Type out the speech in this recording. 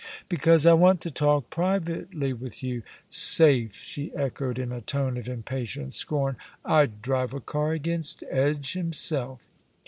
"Because I want to talk privately with you. Safe!" she echoed in a tone of impatient scorn; "I'd drive a car against Edge himself."